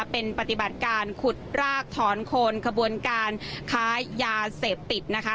เป็นปฏิบัติการขุดรากถอนโคนขบวนการค้ายาเสพติดนะคะ